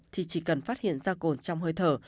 thì chỉ cần phát hiện da cồn trong hơi thở